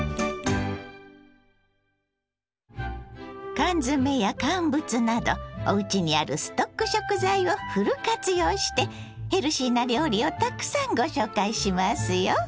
缶詰や乾物などおうちにあるストック食材をフル活用してヘルシーな料理をたくさんご紹介しますよ。